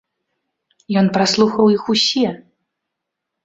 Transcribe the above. Ён праслухаў іх усе!